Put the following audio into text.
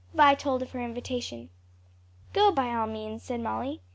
Vi told of her invitation. "Go, by all means," said Molly.